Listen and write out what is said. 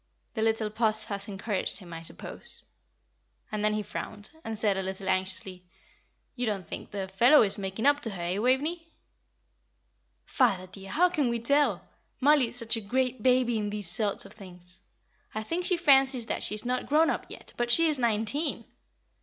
The little Puss has encouraged him, I suppose." And then he frowned, and said, a little anxiously, "You don't think the fellow is making up to her, eh, Waveney?" "Father, dear, how can we tell? Mollie is such a great baby in these sort of things; I think she fancies that she is not grown up yet, but she is nineteen.